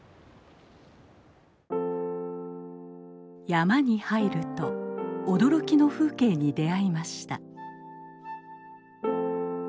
山に入ると驚きの風景に出会いました。